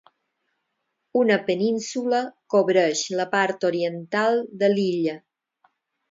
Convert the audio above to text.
Una península cobreix la part oriental de l'illa.